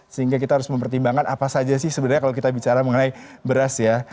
sehingga kita harus mempertimbangkan apa saja sih sebenarnya kalau kita bicara mengenai beras ya